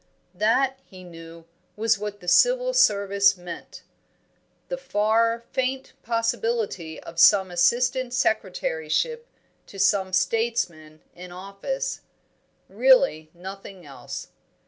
That, he knew, was what the Civil Service meant. The far, faint possibility of some assistant secretaryship to some statesman in office; really nothing else.